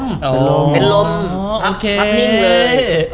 พับนิ่งเลย